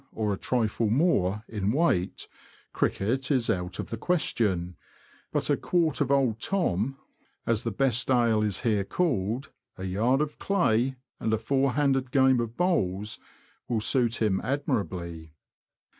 or a trifle more, in weight, cricket is out of the question ; but a quart of " Old Tom," as the best ale is here called, 168 THE LAND OF THE BROADS. a yard of clay, and a four handed game of bowls, will suit him admirably.